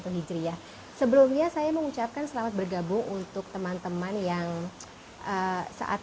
seribu empat ratus empat puluh satu hijri ya sebelumnya saya mengucapkan selamat bergabung untuk teman teman yang saat